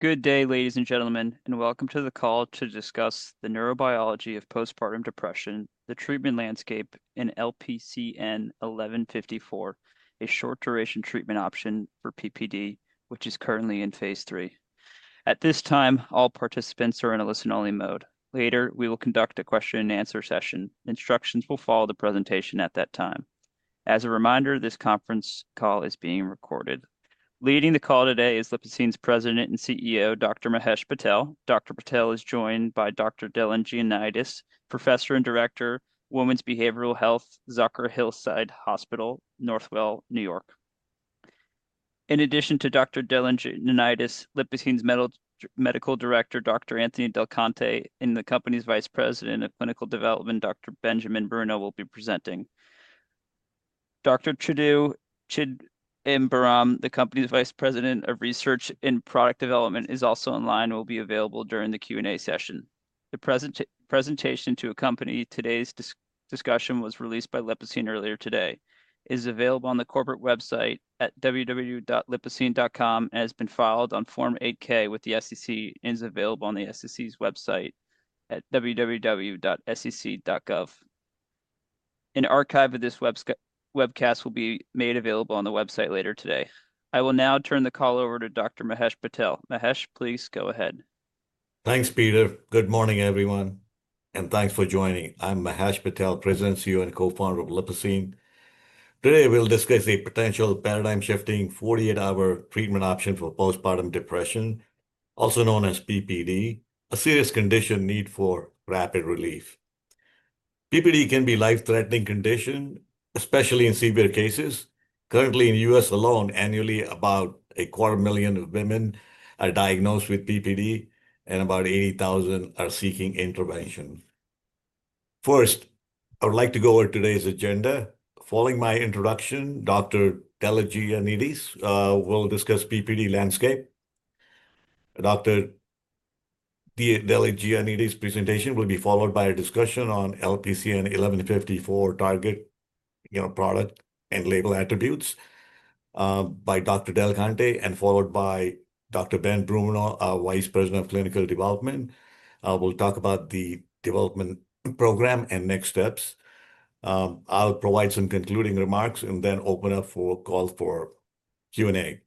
Good day ladies and gentlemen and welcome to the call to discuss the neurobiology of postpartum depression, the treatment landscape and LPCN 1154, a short duration treatment option for PPD which is currently in phase III. At this time all participants are in a listen only mode. Later we will conduct a question and answer session. Instructions will follow the presentation at that time. As a reminder, this conference call is being recorded. Leading the call today is Lipocine's President and CEO Dr. Mahesh Patel. Dr. Patel is joined by Dr. Deligiannidis, Professor and Director, Women's Behavioral Health, Zucker Hillside Hospital, Northwell New York. In addition to Dr. Deligiannidis, Lipocine's Medical Director Dr. Anthony DelConte and the company's Vice President of Clinical Development, Dr. Benjamin Bruno will be presenting. Dr. Chidu Chidambaram, the company's Vice President of Research and Product Development is also in line and will be available during the Q&A session. The presentation to accompany today's discussion was released by Lipocine earlier today, is available on the corporate website at www.lipocine.com and has been filed on Form 8-K with the SEC and is available on the SEC's website at www.sec.gov. An archive of this webcast will be made available on the website later today. I will now turn the call over to Dr. Mahesh Patel. Mahesh, please go ahead. Thanks, Peter. Good morning, everyone, and thanks for joining. I'm Mahesh Patel, President, CEO, and Co-Founder of Lipocine. Today we'll discuss a potential paradigm-shifting 48-hour treatment option for postpartum depression, also known as PPD, a serious condition in need of rapid relief. PPD can be a life-threatening condition, especially in severe cases. Currently, in the U.S. alone, annually about a quarter million women are diagnosed with PPD, and about 80,000 are seeking intervention. First, I would like to go over today's agenda. Following my introduction, Dr. Deligiannidis will discuss the PPD landscape. Dr. Deligiannidis' presentation will be followed by a discussion on LPCN 1154 target product and label attributes by Dr. DelConte, and followed by Dr. Ben Bruno, our Vice President of Clinical Development. We'll talk about the development program and next steps. I'll provide some concluding remarks and then open up the call for Q&A.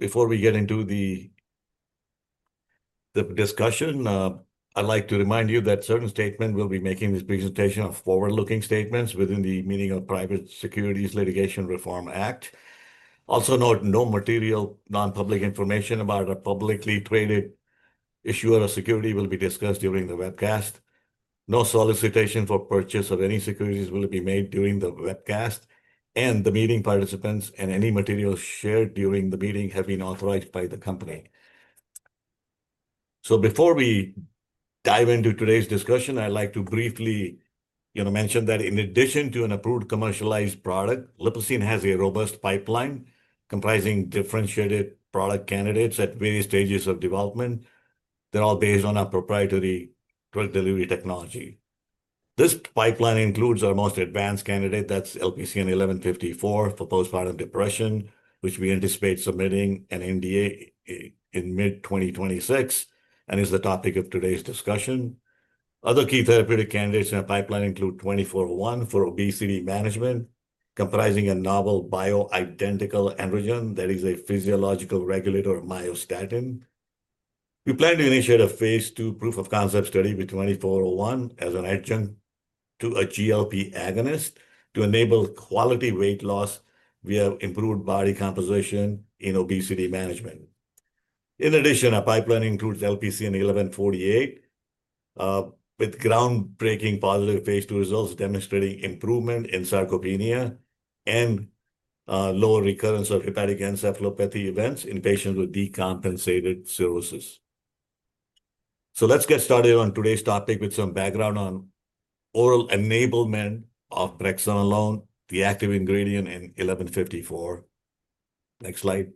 Before we get into the discussion, I'd like to remind you that certain statements we will be making in this presentation are forward-looking statements within the meaning of the Private Securities Litigation Reform Act. Also note, no material non-public information about a publicly traded issuer of security will be discussed during the webcast. No solicitation for purchase of any securities will be made during the webcast and the meeting. Participants and any materials shared during the meeting have been authorized by the company. Before we dive into today's discussion, I'd like to briefly mention that in addition to an approved commercialized product, Lipocine has a robust pipeline comprising differentiated product candidates at various stages of development. They're all based on our proprietary oral delivery technology. This pipeline includes our most advanced candidate, that's LPCN 1154 for postpartum depression, which we anticipate submitting an NDA in mid-2026 and is the topic of today's discussion. Other key therapeutic candidates in our pipeline include LPCN 2401 for obesity management, comprising a novel bioidentical androgen that is a physiological regulator of myostatin. We plan to initiate a phase II proof-of-concept study with LPCN 2401 as an adjunct to a GLP agonist to enable quality weight loss via improved body composition in obesity management. In addition, our pipeline includes LPCN 1148 with groundbreaking positive phase II results demonstrating improvement in sarcopenia and lower recurrence of hepatic encephalopathy events in patients with decompensated cirrhosis. Let's get started on today's topic with some background on oral enablement of brexanolone, the active ingredient in LPCN 1154. Next slide.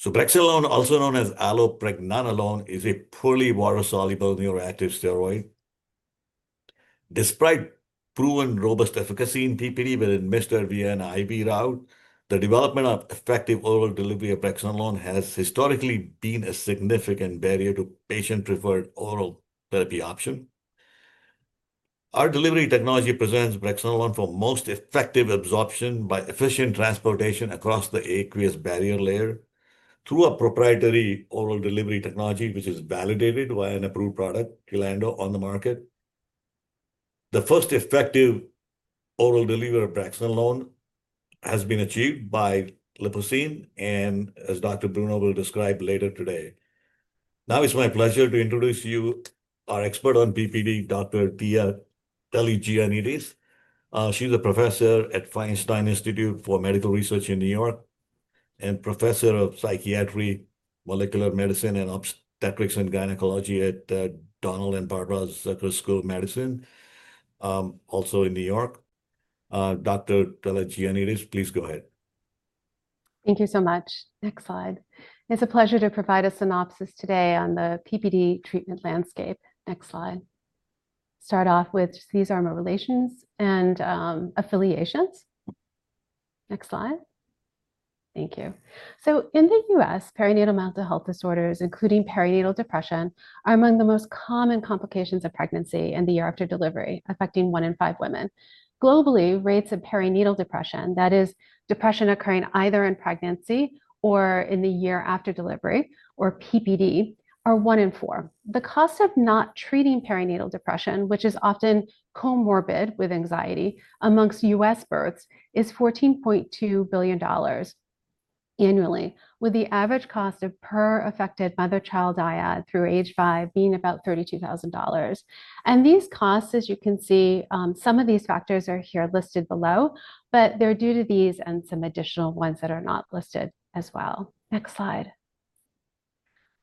Brexanolone, also known as allopregnanolone, is a poorly water soluble neuroactive steroid. Despite proven robust efficacy in PPD within major depressive disorder via an IV route, the development of effective oral delivery of brexanolone has historically been a significant barrier to patient preferred oral therapy option. Our delivery technology presents brexanolone for most effective absorption by efficient transportation across the aqueous barrier layer through a proprietary oral delivery technology which is validated by an approved product TLANDO on the market. The first effective oral delivery of brexanolone has been achieved by Lipocine and as Dr. Bruno will describe later today, now it's my pleasure to introduce you to our expert on PPD, Dr. Deligiannidis. She's a Professor at Feinstein Institute for Medical Research in New York and Professor of Psychiatry, Molecular Medicine and Obstetrics and Gynecology at Donald and Barbara Zucker School of Medicine also in New York. Dr. Deligiannidis, please go ahead. Thank you so much. Next slide. It's a pleasure to provide a synopsis today on the PPD treatment landscape. Next slide. Start off with [CSARMA] relations and affiliations. Next slide. Thank you. In the U.S., perinatal mental health disorders, including perinatal depression, are among the most common complications of pregnancy in the year after delivery, affecting one in five women globally. Rates of perinatal depression, i.e., depression occurring either in pregnancy or in the year after delivery or PPD, are one in four. The cost of not treating perinatal depression, which is often comorbid with anxiety amongst U.S. births, is $14.2 billion annually, with the average cost per affected mother-child dyad through age five being about $32,000. As you can see, some of these factors are here listed below, but they're due to these and some additional ones that are not listed as well. Next slide.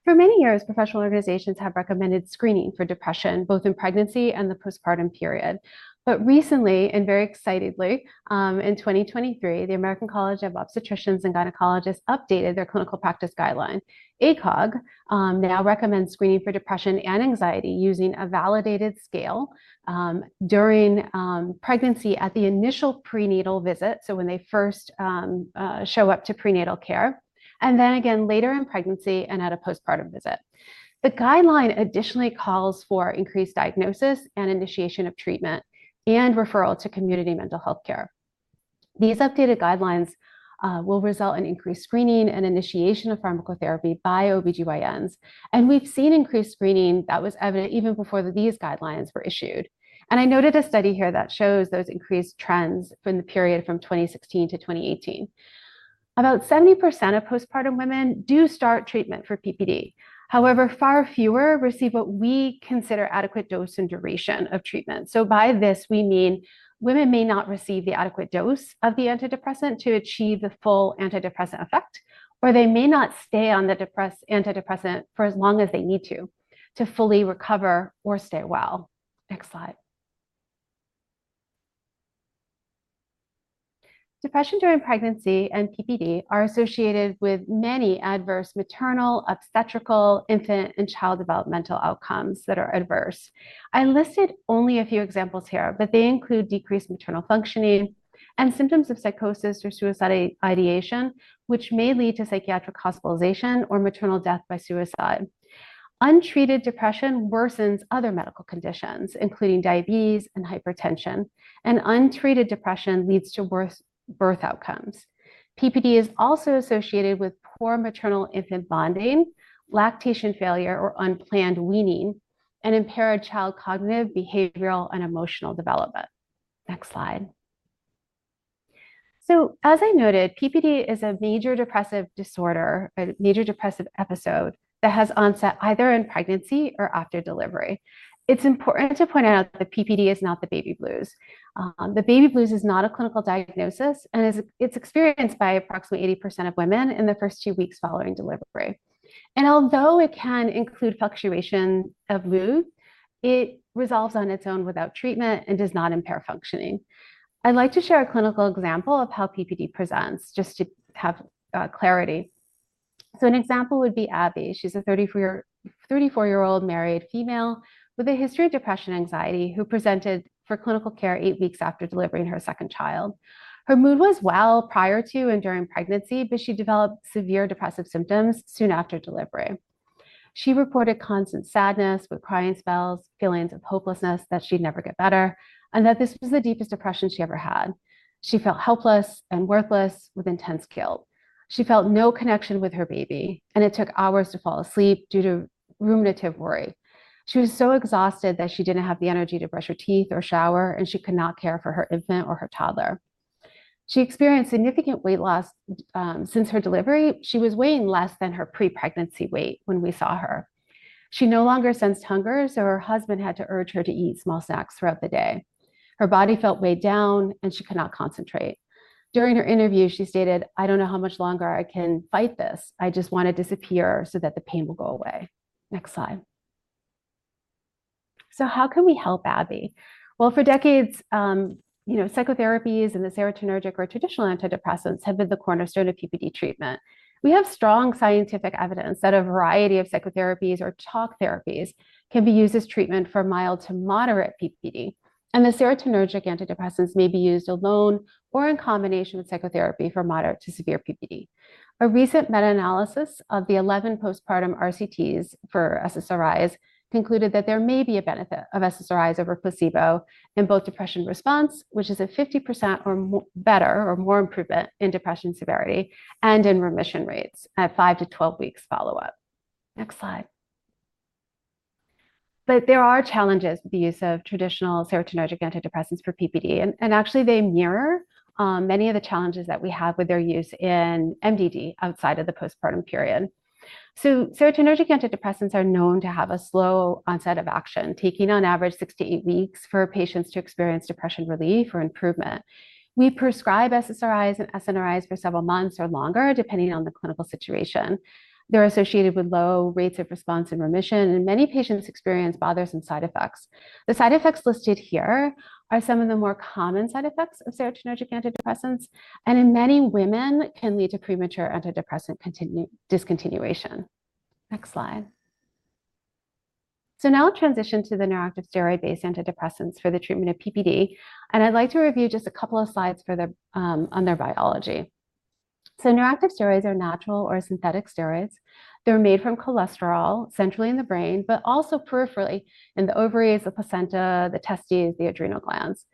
For many years, professional organizations have recommended screening for depression both in pregnancy and the postpartum period. Recently, and very excitedly, in 2023, the American College of Obstetricians and Gynecologists updated their clinical practice guideline. ACOG now recommends screening for depression and anxiety using a validated scale during pregnancy at the initial prenatal visit, so when they first show up to prenatal care, and then again later in pregnancy and at a postpartum visit. The guideline additionally calls for increased diagnosis and initiation of treatment and referral to community mental health care. These updated guidelines will result in increased screening and initiation of pharmacotherapy by OB/GYNs, and we've seen increased screening that was evident even before these guidelines were issued. I noted a study here that shows those increased trends from the period from 2016 to 2018. About 70% of postpartum women do start treatment for PPD. However, far fewer receive what we consider adequate dose and duration of treatment. By this we mean women may not receive the adequate dose of the antidepressant to achieve the full antidepressant effect, or they may not stay on the antidepressant for as long as they need to to fully recover or stay well. Next slide. Depression during pregnancy and PPD are associated with many adverse maternal, obstetrical, infant, and child developmental outcomes that are adverse. I listed only a few examples here, but they include decreased maternal functioning and symptoms of psychosis or suicide ideation, which may lead to psychiatric hospitalization or maternal death by suicide. Untreated depression worsens other medical conditions, including diabetes and hypertension, and untreated depression leads to worse birth outcomes. PPD is also associated with poor maternal-infant bonding, lactation failure or unplanned weaning, and impair a child's cognitive, behavioral, and emotional development. Next slide. As I noted, PPD is a major depressive disorder, a major depressive episode that has onset either in pregnancy or after delivery. It's important to point out that PPD is not the baby blues. The baby blues is not a clinical diagnosis and it's experienced by approximately 80% of women in the first two weeks following delivery. Although it can include fluctuation of mood, it resolves on its own without treatment and does not impair functioning. I'd like to share a clinical example of how PPD presents just to have clarity. An example would be Abby. She's a 34-year-old married female with a history of depression and anxiety who presented for clinical care eight weeks after delivering her second child. Her mood was well prior to and during pregnancy, but she developed severe, severe depressive symptoms soon after delivery. She reported constant sadness with crying spells, feelings of hopelessness that she'd never get better and that this was the deepest depression she ever had. She felt helpless and worthless with intense guilt. She felt no connection with her baby and it took hours to fall asleep due to ruminative worry. She was so exhausted that she didn't have the energy to brush her teeth or shower and she could not care for her infant or her toddler. She experienced significant weight loss since her delivery. She was weighing less than her pre-pregnancy weight when we saw her. She no longer sensed hunger, so her husband had to urge her to eat small snacks throughout the day. Her body felt weighed down and she could not concentrate. During her interview she stated, I don't know how much longer I can fight this. I just want to disappear so that the pain will go away. Next slide. How can we help Abby? For decades, psychotherapies and the serotonergic or traditional antidepressants have been the cornerstone of PPD treatment. We have strong scientific evidence that a variety of psychotherapies or talk therapies can be used as treatment for mild to moderate PPD. The serotonergic antidepressants may be used alone or in combination with psychotherapy for moderate to severe PPD. A recent meta-analysis of the 11 postpartum RCTs for SSRIs concluded that there may be a benefit of SSRIs over placebo in both depression response, which is a 50% or more improvement in depression severity, and in remission rates at 5 weeks-12 weeks. Follow up. Next slide. There are challenges. The use of traditional serotonergic antidepressants for postpartum depression, and actually they mirror many of the challenges that we have with their use in major depressive disorder outside of the postpartum period. Serotonergic antidepressants are known to have a slow onset of action, taking on average 6 weeks-8 weeks. For patients to experience depression relief or improvement, we prescribe SSRIs and SNRIs for several months or longer depending on the clinical situation. They're associated with low rates of response and remission, and many patients experience bothersome side effects. The side effects listed here are some of the more common side effects of serotonergic antidepressants, and in many women can lead to premature antidepressant continuous discontinuation. Next slide. I will transition to the neuroactive steroid-based antidepressants for the treatment of PPD and I'd like to review just a couple of slides for their biology. Neuroactive steroids are natural or synthetic steroids. They're made from cholesterol centrally in the brain, but also peripherally in the ovaries, the placenta, the testes, the adrenal glands.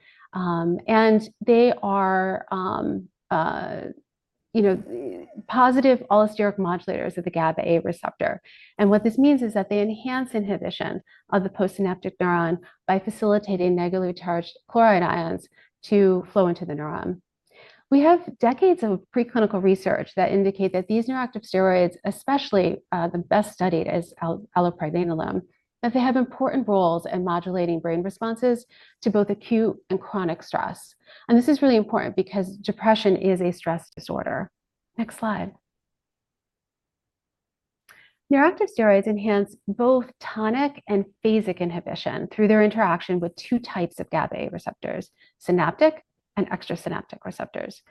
They are positive allosteric modulators of the GABAA receptor. What this means is that they enhance inhibition of the postsynaptic neuron by facilitating negatively charged chloride ions to flow into the neuron. We have decades of preclinical research that indicate that these neuroactive steroids, especially the best studied is allopregnanolone, that they have important roles in modulating brain responses to both acute and chronic stress. This is really important because depression is a stress disorder. Next slide. Neuroactive steroids enhance both tonic and phasic inhibition through their interaction with two types of GABAA receptors, synaptic and extrasynaptic receptors.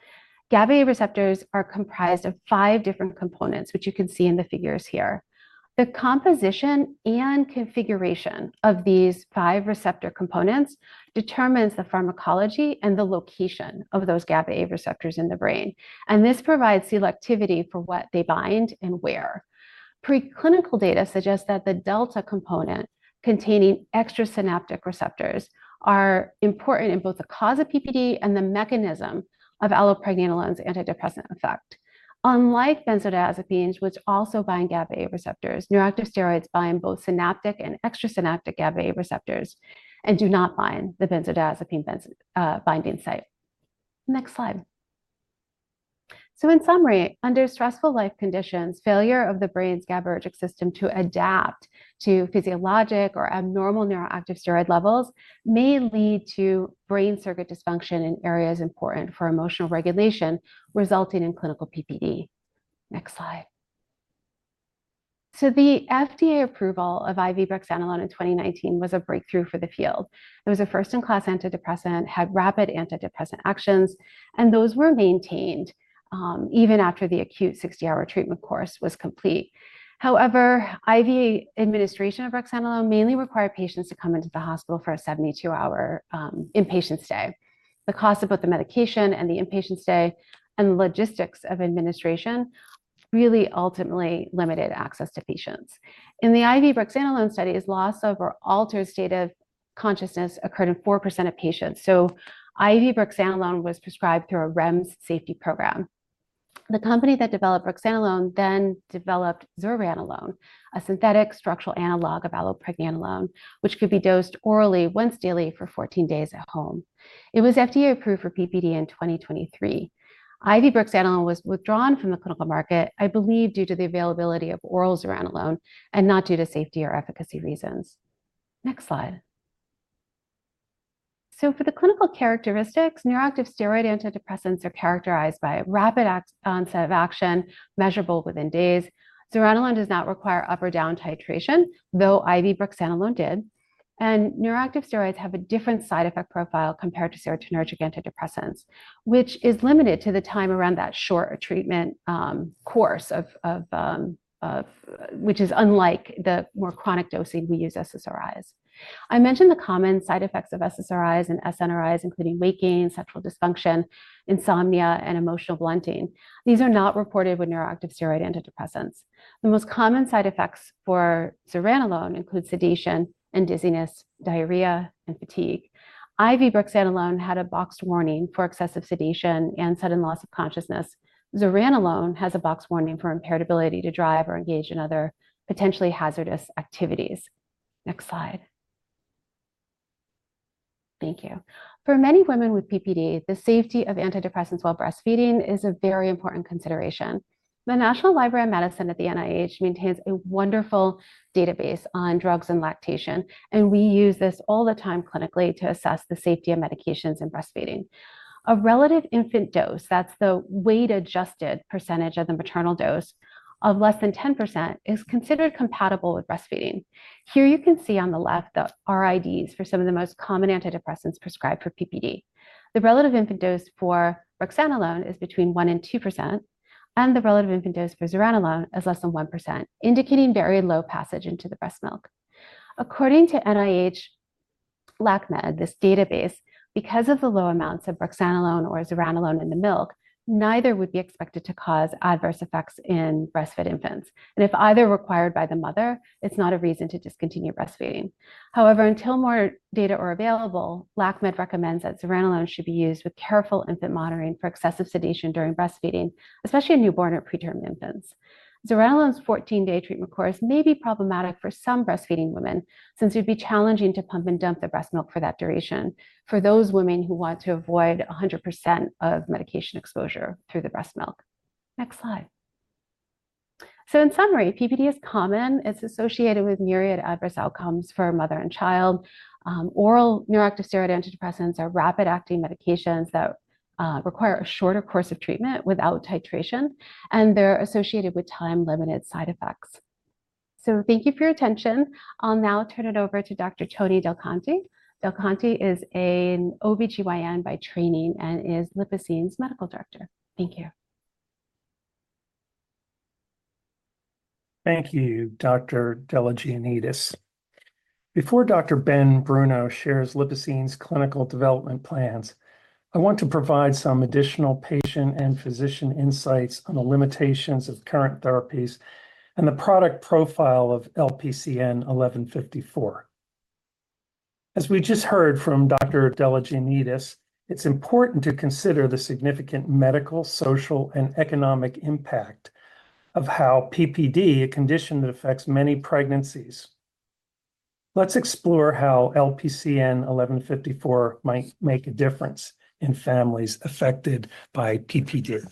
GABAA receptors are comprised of five different components, which you can see in the figures here. The composition and configuration of these five receptor components determines the pharmacology and the location of those GABAA receptors in the brain. This provides selectivity for what they bind and where. Preclinical data suggests that the delta component-containing extrasynaptic receptors are important in both the cause of PPD and the mechanism of allopregnanolone's antidepressant effect. Unlike benzodiazepines, which also bind GABAA receptors, neuroactive steroids bind both synaptic and extrasynaptic GABAA receptors and do not bind the benzodiazepine binding site. Next slide. In summary, under stressful life conditions, failure of the brain's GABAergic system to adapt to physiologic or abnormal neuroactive steroid levels may lead to brain circuit dysfunction in areas important for emotional regulation, resulting in clinical PPD. Next Slide. The FDA approval of IV brexanolone in 2019 was a breakthrough for the field. It was a first-in-class antidepressant, had rapid antidepressant actions, and those were maintained even after the acute 60-hour treatment course was complete. However, IV administration of brexanolone mainly required patients to come into the hospital for a 72-hour inpatient stay. The cost of both the medication and the inpatient stay and logistics of administration really ultimately limited access to patients. In the IV brexanolone studies, loss of or altered state of consciousness occurred in 4% of patients, so IV brexanolone was prescribed through a REMS safety program. The company that developed brexanolone then developed zuranolone, a synthetic structural analog of allopregnanolone, which could be dosed orally once daily for 14 days at home. It was FDA approved for PPD in 2023. IV brexanolone was withdrawn from the clinical market, I believe due to the availability of oral zuranolone and not due to safety or efficacy reasons. Next slide. For the clinical characteristics, neuroactive steroid antidepressants are characterized by rapid onset of action measurable within days. Zuranolone does not require up or down titration, though IV brexanolone did, and neuroactive steroids have a different side effect profile compared to serotonergic antidepressants, which is limited to the time around that short treatment course, which is unlike the more chronic dosing we use with SSRIs. I mentioned the common side effects of SSRIs and SNRIs including weight gain, sexual dysfunction, insomnia, and emotional blunting. These are not reported with neuroactive steroid antidepressants. The most common side effects for zuranolone include sedation and dizziness, diarrhea, and fatigue. IV brexanolone had a boxed warning for excessive sedation and sudden loss of consciousness. Zuranolone has a box warning for impaired ability to drive or engage in other potentially hazardous activities. Next slide. Thank you. For many women with PPD, the safety of antidepressants while breastfeeding is a very important consideration. The National Library of Medicine at the NIH maintains a wonderful database on drugs and lactation, and we use this all the time clinically to assess the safety of medications and breastfeeding. A relative infant dose, that's the weight-adjusted percentage of the maternal dose, of less than 10% is considered compatible with breastfeeding. Here you can see on the left the RIDs for some of the most common antidepressants prescribed for PPD. The relative infant dose for brexanolone is between 1% and 2%, and the relative infant dose for zuranolone is less than 1%, indicating very low passage into the breast milk. According to NIH LactMed, this database, because of the low amounts of brexanolone or zuranolone in the milk, neither would be expected to cause adverse events in breastfed infants, and if either is required by the mother, it's not a reason to discontinue breastfeeding. However, until more data are available, LactMed recommends that zuranolone should be used with careful infant monitoring for excessive sedation during breastfeeding, especially in newborn or preterm infants. Zuranolone's 14-day treatment course may be problematic for some breastfeeding women, since it'd be challenging to pump and dump the breast milk for that duration for those women who want to avoid 100% of medication exposure through the breast milk. Next slide. In summary, PPD is common. It's associated with myriad adverse outcomes for mother and child. Oral neuroactive steroid antidepressants are rapid acting medications that require a shorter course of treatment without titration, and they're associated with time limited side effects. Thank you for your attention. I'll now turn it over to Dr. Tony DelConte. Dr. DelConte is an OB/GYN by training and is Lipocine's Medical Director. Thank you. Thank you Dr. Deligiannidis. Before Dr. Ben Bruno shares Lipocine's clinical development plans, I want to provide some additional patient and physician insights on the limitations of current therapies and the product profile of LPCN 1154. As we just heard from Dr. Deligiannidis, it's important to consider the significant medical, social, and economic impact of how postpartum depression, a condition that affects many pregnancies. Let's explore how LPCN 1154 might make a difference in families affected by postpartum depression.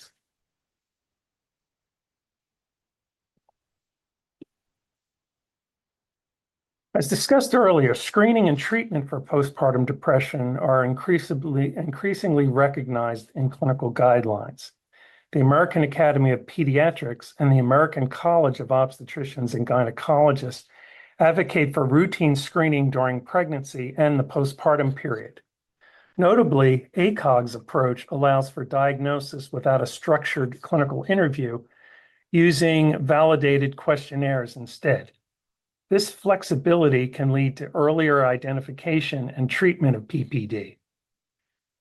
As discussed earlier, screening and treatment for postpartum depression are increasingly recognized in clinical guidelines. The American Academy of Pediatrics and the American College of Obstetricians and Gynecologists advocate for routine screening during pregnancy and the postpartum period. Notably, ACOG's approach allows for diagnosis without a structured clinical interview using validated questionnaires. Instead, this flexibility can lead to earlier identification and treatment of postpartum depression.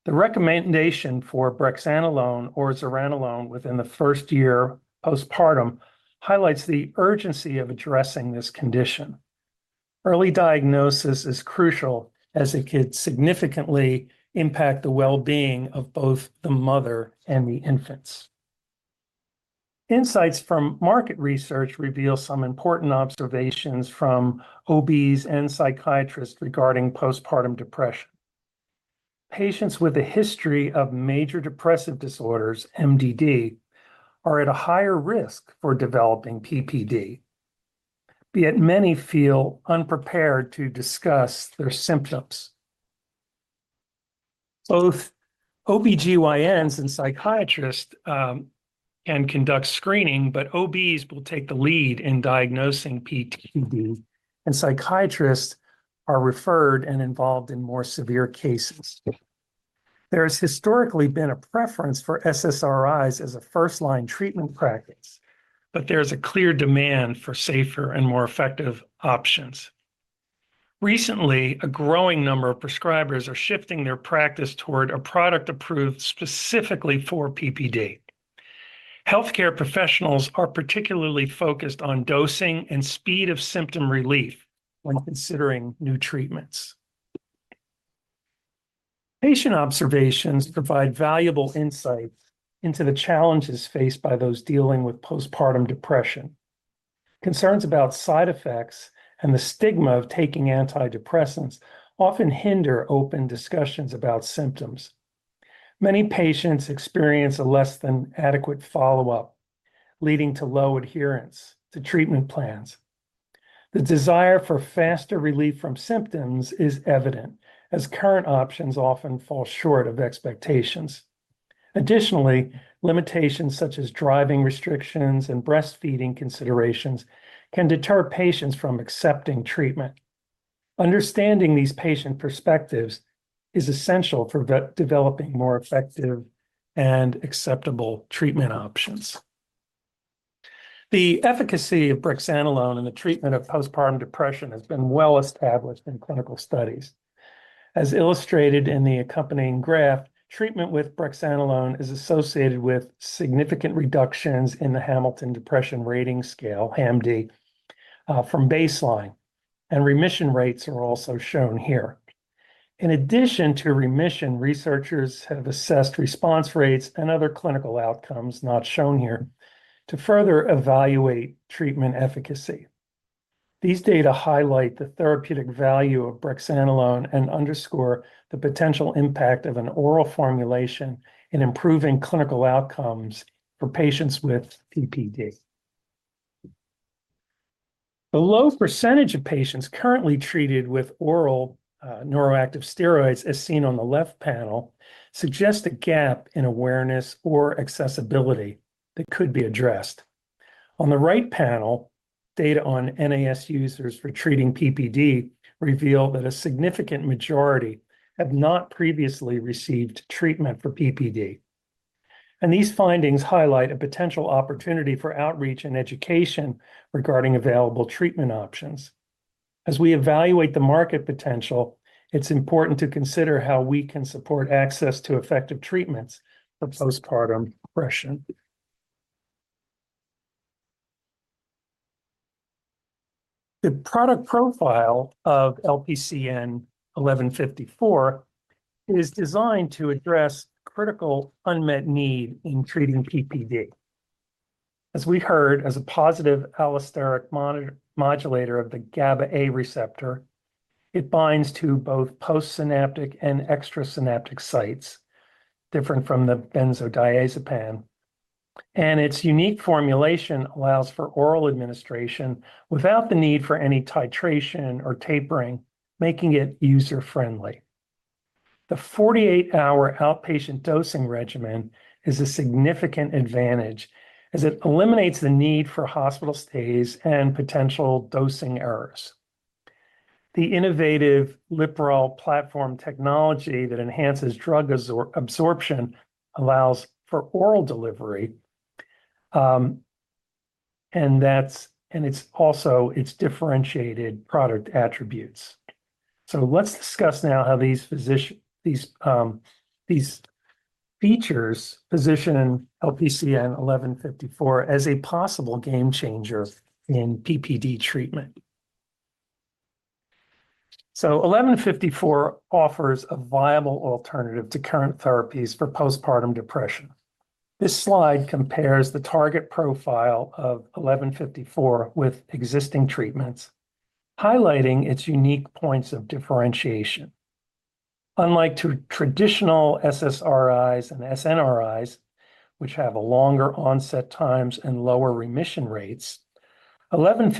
The recommendation for brexanolone or zuranolone within the first year postpartum highlights the urgency of addressing this condition. Early diagnosis is crucial as it could significantly impact the well-being of both the mother and the infants. Insights from market research reveal some important observations from OBs and psychiatrists regarding postpartum depression. Patients with a history of major depressive disorder (MDD) are at a higher risk for developing postpartum depression, yet many feel unprepared to discuss their symptoms. Both OB/GYNs and psychiatrists can conduct screening, but OBs will take the lead in diagnosing postpartum depression, and psychiatrists are referred and involved in more severe cases. There has historically been a preference for SSRIs as a first-line treatment practice, but there's a clear demand for safer and more effective options. Recently, a growing number of prescribers are shifting their practice toward a product approved specifically for postpartum depression. Healthcare professionals are particularly focused on dosing and speed of symptom relief when considering new treatments. Patient observations provide valuable insights into the challenges faced by those dealing with postpartum depression. Concerns about side effects and the stigma of taking antidepressants often hinder open discussions about symptoms. Many patients experience a less than adequate follow-up, leading to low adherence to treatment plans. The desire for faster relief from symptoms is evident as current options often fall short of expectations. Additionally, limitations such as driving restrictions and breastfeeding considerations can deter patients from accepting treatment. Understanding these patient perspectives is essential for developing more effective and acceptable treatment options. The efficacy of brexanolone in the treatment of postpartum depression has been well established in clinical studies. As illustrated in the accompanying graph, treatment with brexanolone is associated with significant reductions in the Hamilton Depression Rating Scale from baseline, and remission rates are also shown here. In addition to remission, researchers have assessed response rates and other clinical outcomes not shown here to further evaluate treatment efficacy. These data highlight the therapeutic value of brexanolone and underscore the potential impact of an oral formulation in improving clinical outcomes for patients with PPD. The low percentage of patients currently treated with oral neuroactive steroids, as seen on the left panel, suggest a gap in awareness or accessibility that could be addressed on the right panel. Data on NAS users for treating PPD reveal that a significant majority have not previously received treatment for PPD, and these findings highlight a potential opportunity for outreach and education regarding available treatment options. As we evaluate the market potential, it's important to consider how we can support access to effective treatments for postpartum depression. The product profile of LPCN 1154 is designed to address critical unmet need in treating PPD, as we heard. As a positive allosteric modulator of the GABAA receptor, it binds to both postsynaptic and extrasynaptic sites different from the benzodiazepam, and its unique formulation allows for oral administration without the need for any titration or tapering, making it user friendly. The 48 hour outpatient dosing regimen is a significant advantage as it eliminates the need for hospital stays and potential dosing errors. The innovative Lipocine proprietary oral delivery technology that enhances drug absorption allows for oral delivery, and it's also its differentiated product attributes. Let's discuss now how these features position LPCN 1154 as a possible game changer in PPD treatment. LPCN 1154 offers a viable alternative to current therapies for postpartum depression. This slide compares the target profile of LPCN 1154 with existing treatments, highlighting its unique points of differentiation. Unlike traditional SSRIs/SNRIs, which have longer onset times and lower remission rates, LPCN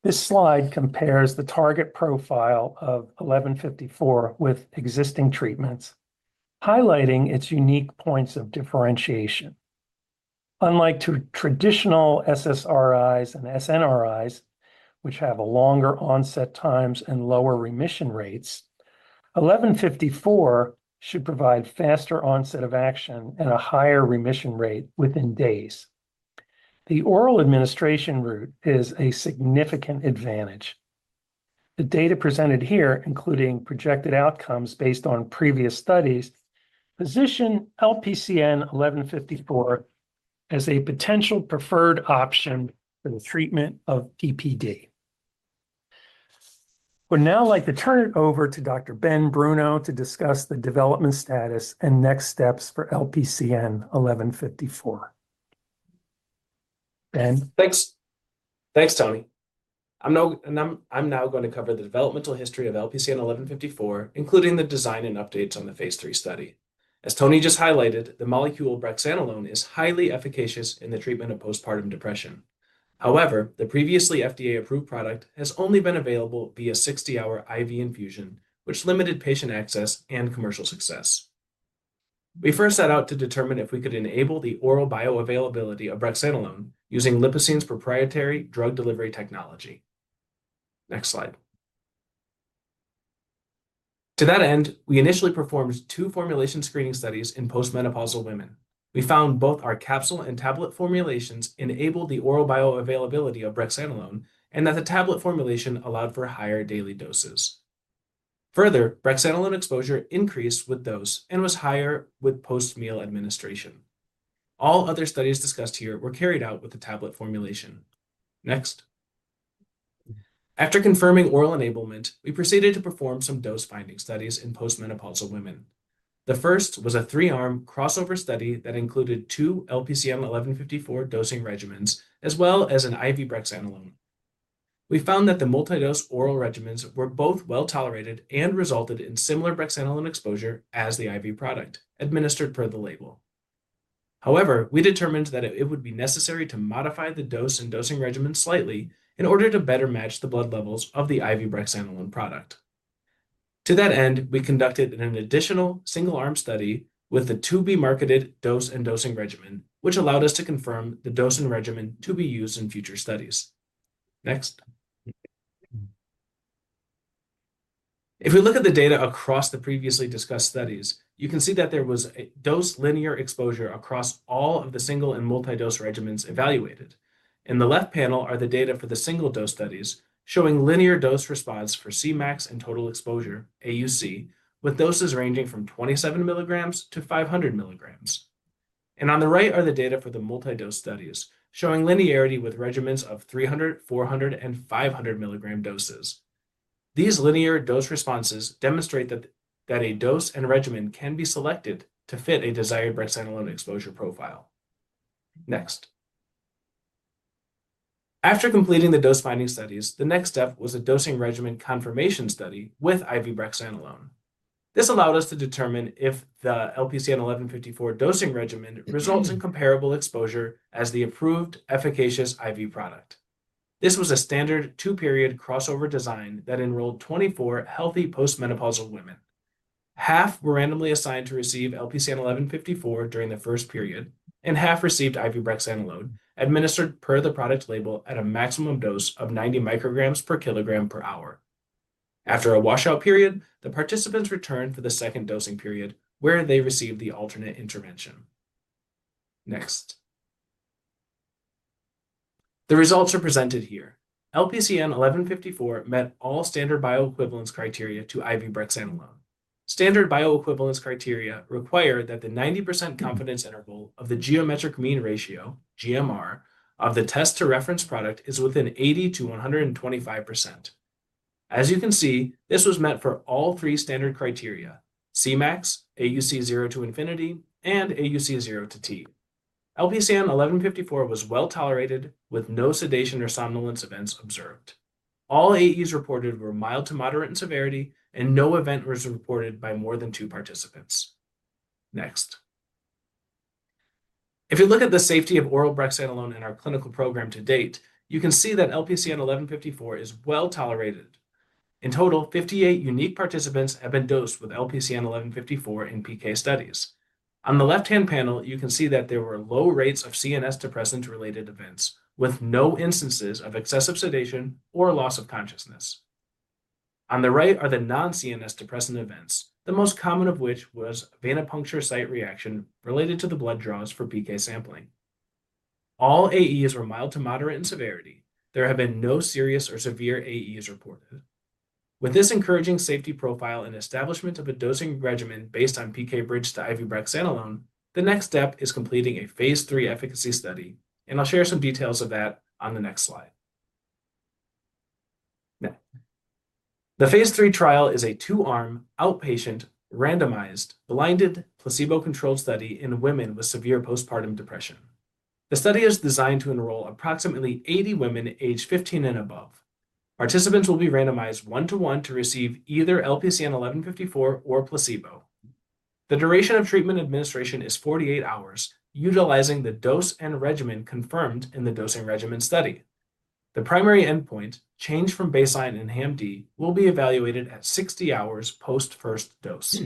1154 should provide faster onset of action and a higher remission rate within days. The oral administration route is a significant advantage. The data presented here, including projected outcomes based on previous studies, position LPCN 1154 as a potential preferred option for the treatment of PPD. Would now like to turn it over to Dr. Ben Bruno to discuss the development status and next steps for LPCN 1154. Ben, thanks. Thanks Tony. I'm now going to cover the developmental history of LPCN 1154 including the design and updates on the phase III study. As Tony just highlighted, the molecule brexanolone is highly efficacious in the treatment of postpartum depression. However, the previously FDA-approved product has only been available via 60-hour IV infusion, which limited patient access and commercial success. We first set out to determine if we could enable the oral bioavailability of brexanolone using Lipocine's proprietary oral delivery technology. Next slide. To that end, we initially performed two formulation screening studies in postmenopausal women. We found both our capsule and tablet formulations enabled the oral bioavailability of brexanolone and that the tablet formulation allowed for higher daily doses. Further, brexanolone exposure increased with dose and was higher with post meal administration. All other studies discussed here were carried out with the tablet formulation. Next, after confirming oral enablement, we proceeded to perform some dose finding studies in postmenopausal women. The first was a three arm crossover study that included two LPCN 1154 dosing regimens as well as an IV brexanolone. We found that the multi dose oral regimens were both well tolerated and resulted in similar brexanolone exposure as the IV product administered per the label. However, we determined that it would be necessary to modify the dose and dosing regimen slightly in order to better match the blood levels of the IV brexanolone product. To that end, we conducted an additional single arm study with the to be marketed dose and dosing regimen, which allowed us to confirm the dosing regimen to be used in future studies. Next, if we look at the data across the previously discussed studies, you can see that there was dose linear exposure across all of the single and multi dose regimens evaluated. In the left panel are the data for the single dose studies showing linear dose response for Cmax and total exposure AUC with doses ranging from 27 mg-500 mg, and on the right are the data for the multi dose studies showing linearity with regimens of 300 mg, 400 mg, and 500 mg doses. These linear dose responses demonstrate that a dose and regimen can be selected to fit a desired brexanolone exposure profile. Next, after completing the dose finding studies, the next step was a dosing regimen confirmation study with IV brexanolone. This allowed us to determine if the LPCN 1154 dosing regimen results in comparable exposure as the approved efficacious IV product. This was a standard two period crossover design that enrolled 24 healthy postmenopausal women. Half were randomly assigned to receive LPCN 1154 during the first period and half received IV brexanolone administered per the product label at a maximum dose of 90 micrograms per kilogram per hour. After a washout period, the participants returned for the second dosing period where they received the alternate intervention. Next, the results are presented here. LPCN 1154 met all standard bioequivalence criteria to IV brexanolone. Standard bioequivalence criteria require that the 90% confidence interval of the geometric mean ratio of the test to reference product is within 80%-125%. As you can see, this was met for all three standard Cmax, AUC0-∞, and AUC0-t. LPCN 1154 was well tolerated with no sedation or somnolence events observed. All AEs reported were mild to moderate in severity and no event was reported by more than two participants. Next, if you look at the safety of oral brexanolone in our clinical program to date, you can see that LPCN 1154 is well tolerated. In total, 58 unique participants have been dosed with LPCN 1154 in PK studies. On the left hand panel you can see that there were low rates of CNS depressant related events with no instances of excessive sedation or loss of consciousness. On the right are the non-CNS depressant events, the most common of which was venipuncture site reaction related to the blood draws for PK sampling. All AEs were mild to moderate in severity. There have been no serious or severe AEs reported. With this encouraging safety profile and establishment of a dosing regimen based on PK bridge to IV brexanolone, the next step is completing a phase III efficacy study and I'll share some details of that on the next slide. The phase III trial is a two arm outpatient randomized blinded placebo-controlled study in women with severe postpartum depression. The study is designed to enroll approximately 80 women age 15 and above. Participants will be randomized one to one to receive either LPCN 1154 or placebo. The duration of treatment administration is 48 hours utilizing the dose and regimen confirmed in the dosing regimen study. The primary endpoint, change from baseline in HAM-D, will be evaluated at 60 hours post first dose.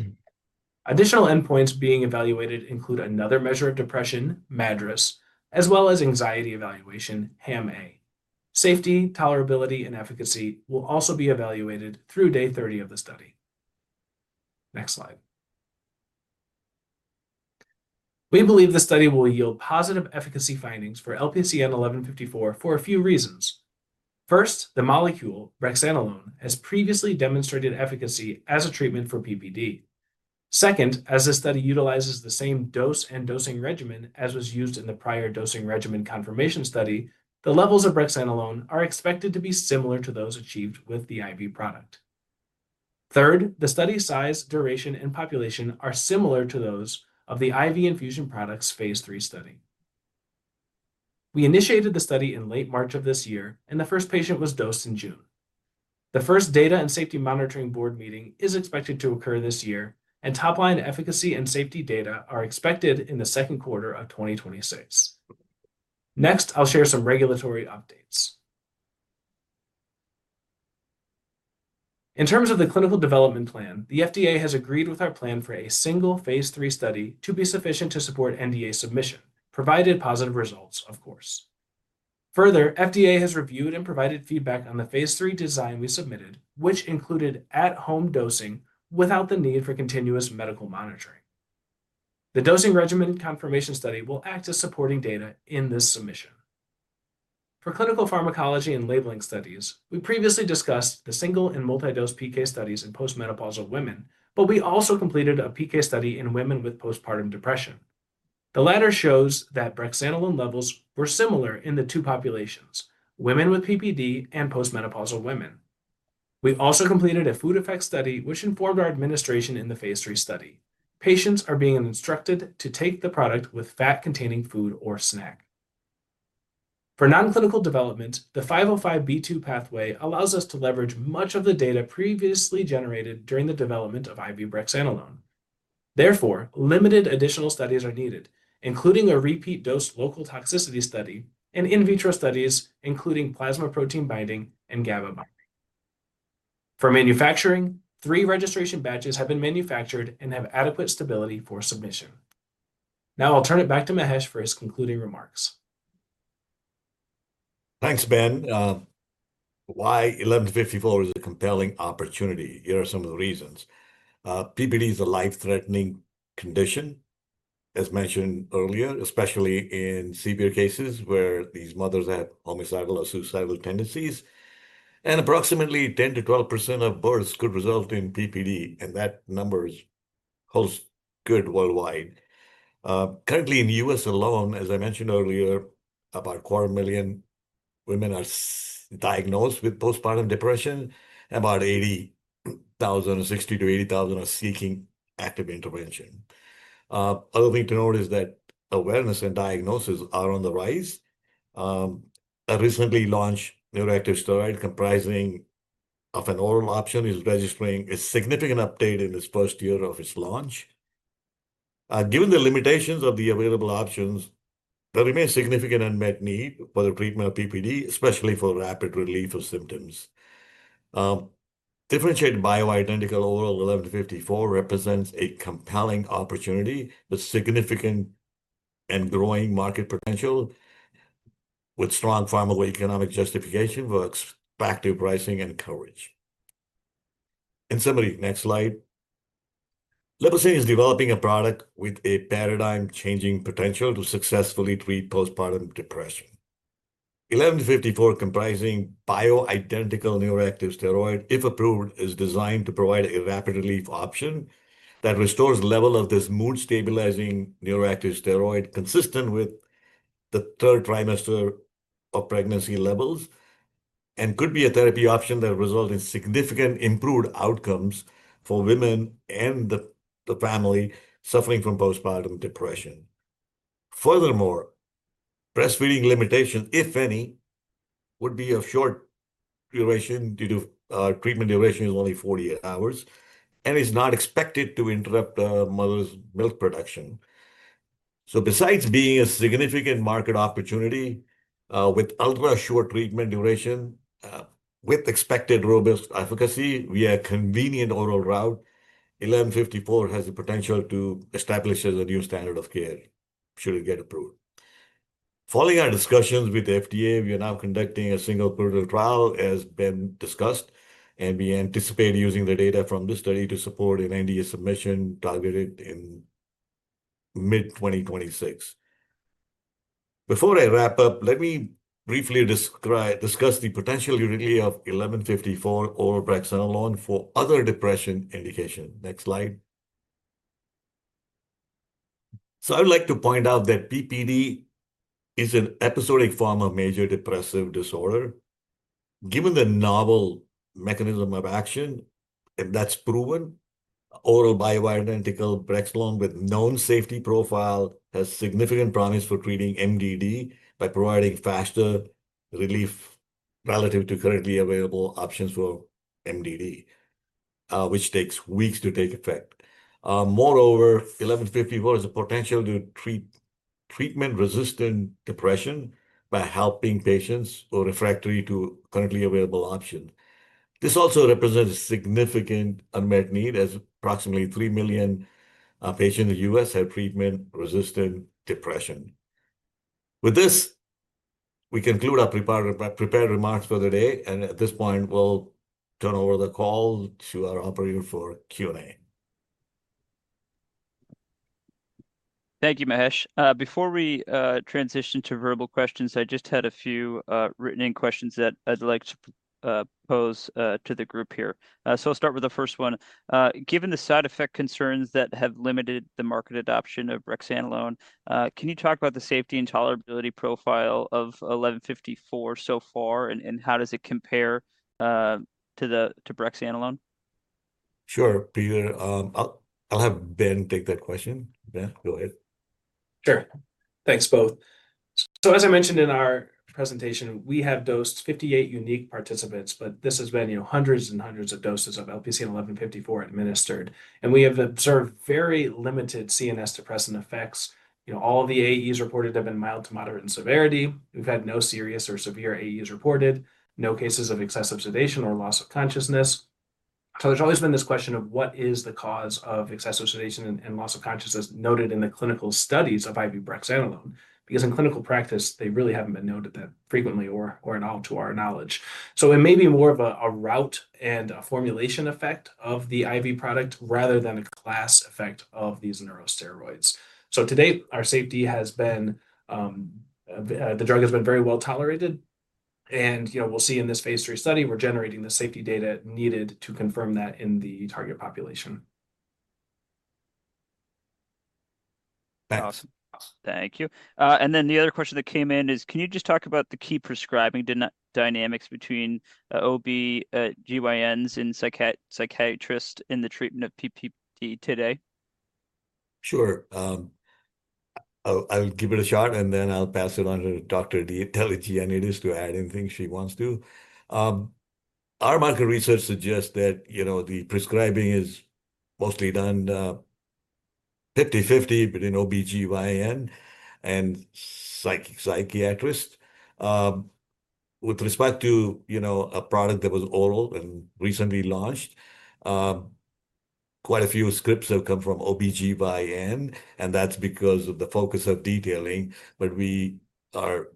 Additional endpoints being evaluated include another measure of depression, MADRS, as well as anxiety evaluation. Safety, tolerability, and efficacy will also be evaluated through day 30 of the study. Next slide. We believe the study will yield positive efficacy findings for LPCN 1154 for a few reasons. First, the molecule brexanolone has previously demonstrated efficacy as a treatment for PPD. Second, as this study utilizes the same dose and dosing regimen as was used in the prior dosing regimen confirmation study, the levels of brexanolone are expected to be similar to those achieved with the IV product. Third, the study size, duration, and population are similar to those of the IV infusion products. phase III study, we initiated the study in late March of this year and the first patient was dosed in June. The first data and Safety Monitoring Board meeting is expected to occur this year and top line efficacy and safety data are expected in the second quarter of 2026. Next, I'll share some regulatory updates in terms of the clinical development plan. The FDA has agreed with our plan for a single phase III study to be sufficient to support NDA submission provided positive results, of course. Further, FDA has reviewed and provided feedback on the phase III design we submitted, which included at-home dosing without the need for continuous medical monitoring. The dosing regimen confirmation study will act as supporting data in this submission for clinical pharmacology and labeling studies. We previously discussed the single and multi-dose PK studies in postmenopausal women, but we also completed a PK study in women with postpartum depression. The latter shows that brexanolone levels were similar in the two populations, women with PPD and postmenopausal women. We also completed a food effect study, which informed our administration. In the phase III study, patients are being instructed to take the product with fat-containing food or snack. For nonclinical development, the 505(b)(2) pathway allows us to leverage much of the data previously generated during the development of IV brexanolone. Therefore, limited additional studies are needed, including a repeat dose local toxicity study and in vitro studies including plasma protein binding and GABA binding. For manufacturing, three registration batches have been manufactured and have adequate stability for submission. Now I'll turn it back to Mahesh for his concluding remarks. Thanks Ben. Why LPCN 1154 is a compelling opportunity, here are some of the reasons. PPD is a life-threatening condition as mentioned earlier, especially in severe cases where these mothers have homicidal or suicidal tendencies, and approximately 10%-12% of births could result in PPD, and that number holds good worldwide. Currently in the U.S. alone, as I mentioned earlier, about a quarter million women are diagnosed with postpartum depression. About 60,000-80,000 are seeking active intervention. Another thing to note is that awareness and diagnosis are on the rise. A recently launched neuroactive steroid comprising of an oral option is registering a significant uptake in this first year of its launch. Given the limitations of the available options, there remains significant unmet need for the treatment of PPD, especially for rapid relief of symptoms. Differentiated bioidentical oral LPCN 1154 represents a compelling opportunity with significant and growing market potential with strong pharmacoeconomic justification, works factory pricing and coverage. In summary, next slide, Lipocine is developing a product with a paradigm changing potential to successfully treat postpartum depression. LPCN 1154, comprising bioidentical neuroactive steroid, if approved, is designed to provide a rapid relief option that restores level of this mood-stabilizing neuroactive steroid consistent with the third trimester of pregnancy levels and could be a therapy option that results in significantly improved outcomes for women and the family suffering from postpartum depression. Furthermore, breastfeeding limitations, if any, would be of short duration due to treatment duration of only 48 hours and is not expected to interrupt mother's milk production. Besides being a significant market opportunity with ultra-short treatment duration with expected robust efficacy via a convenient oral route, LPCN 1154 has the potential to establish a new standard of care should it get approved. Following our discussions with FDA, we are now conducting a single clinical trial as Ben discussed, and we anticipate using the data from this study to support an NDA submission targeted in mid-2026. Before I wrap up, let me briefly discuss the potential utility of LPCN 1154 or brexanolone for other depression indications. Next slide. I would like to point out that PPD is an episodic form of major depressive disorder. Given the novel mechanism of action, if that's proven, oral bioidentical brexanolone with known safety profile has significant promise for treating MDD by providing faster relief relative to currently available options for MDD, which take weeks to take effect. Moreover, LPCN 1154 has a potential to treat treatment-resistant depression by helping patients who are refractory to currently available options. This also represents a significant unmet need as approximately 3 million patients in the U.S. have treatment-resistant depression. With this, we conclude our prepared remarks for the day, and at this point we'll turn over the call to our operator for Q&A. Thank you, Mahesh. Before we transition to verbal questions, I just had a few written-in questions that I'd like to pose to the group here. I'll start with the first one. Given the side effect concerns that have limited the market adoption of brexanolone, can you talk about the safety and tolerability profile of LPCN 1154 so far, and how does it compare to brexanolone? Sure, Peter, I'll have Ben take that question. Yeah, go ahead. Sure. Thanks both. As I mentioned in our presentation, we have dosed 58 unique participants, but this has been hundreds and hundreds of doses of LPCN 1154 administered, and we have observed very limited CNS depressant effects. All the adverse events reported have been mild to moderate in severity. We've had no serious or severe adverse events reported, no cases of excessive sedation or loss of consciousness. There has always been this question of what is the cause of excessive sedation and loss of consciousness noted in the clinical studies of IV brexanolone. In clinical practice, they really haven't been noted that frequently or at all to our knowledge. It may be more of a route and a formulation effect of the IV product rather than a class effect of these neuroactive steroids. To date, our safety has been, the drug has been very well tolerated. We'll see in this phase III study, we're generating the safety data needed to confirm that in the target population. Thanks. Awesome. Thank you. The other question that came in is, can you just talk about the key prescribing dynamics between OB/GYNs and psychiatrists in the treatment of PPD today? Sure. I'll give it a shot and then I'll pass it on to Dr. Deligiannidis to add anything she wants to. Our market research suggests that the prescribing is mostly done 50/50 between OB/GYN and psychiatrist with respect to a product that was oral and recently launched. Quite a few scripts have come from OB/GYN and that's because of the focus of detailing. We are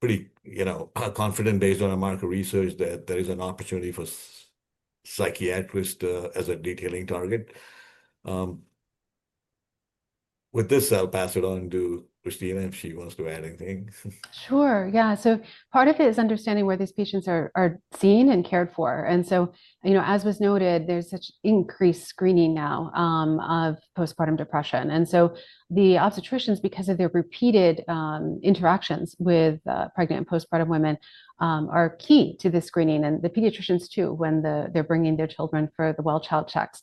pretty confident based on our market research that there is an opportunity for psychiatrists as a detailing target with this. I'll pass it on to Kristina if she wants to add anything. Sure, yeah. Part of it is understanding where these patients are seen and cared for. As was noted, there's such increased screening now of postpartum depression. The obstetricians, because of their repeated interactions with pregnant and postpartum women, are key to the screening. The pediatricians too, when they're bringing their children for the well child checks.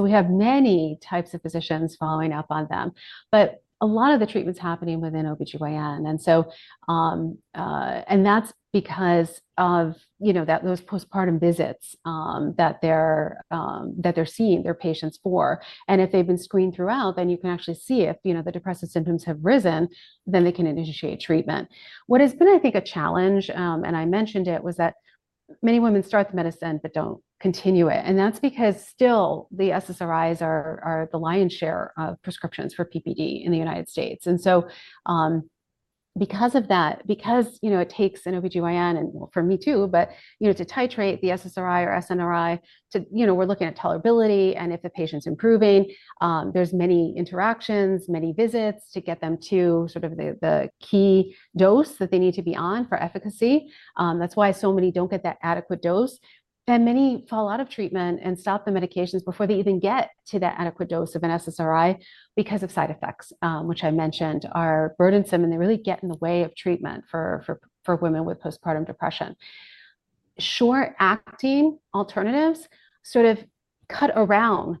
We have many types of physicians following up on them, but a lot of the treatment's happening within OB/GYN. That's because of those postpartum visits that they're seeing their patients for. If they've been screened throughout, then you can actually see if the depressive symptoms have risen, then they can initiate treatment. What has been, I think, a challenge, and I mentioned it, was that many women start the medicine but don't continue it. That's because still the SSRIs are the lion's share of prescriptions for PPD in the United States. Because of that, because it takes an OB/GYN, and for me too, to titrate the SSRI or SNRI, we're looking at tolerability. If the patient's improving, there's many interactions, many visits to get them to sort of the key dose that they need to be on for efficacy. That's why so many don't get that adequate dose and many fall out of treatment and stop the medications before they even get to that adequate dose of an SSRI. Because of side effects, which I mentioned, are burdensome and they really get in the way of treatment. For women with postpartum depression, short acting alternatives sort of cut around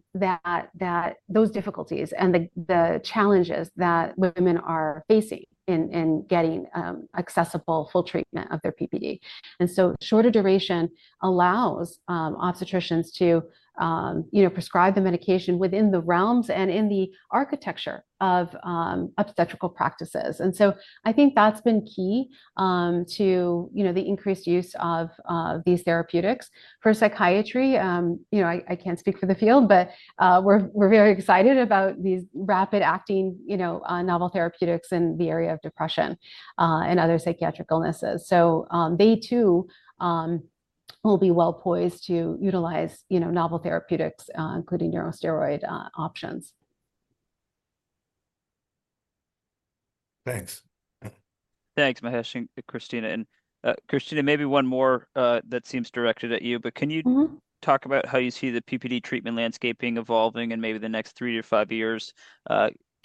those difficulties and the challenges that women are facing in getting accessible full treatment of their PPD. Shorter duration allows obstetricians to prescribe the medication within the realms and in the architecture of obstetrical practices. I think that's been key to the increased use of these therapeutics for psychiatry. I can't speak for the field, but we're very excited about these rapid acting, novel therapeutics in the area of depression and other psychiatric illnesses. They too will be well poised to utilize novel therapeutics, including neuroactive steroid options. Thanks. Thanks, Mahesh. And Kristina. Kristina, maybe one more that seems directed at you, but can you talk about how you see the PPD treatment landscape evolving in maybe the next three to five years,